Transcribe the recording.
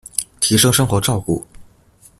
提升生活照顧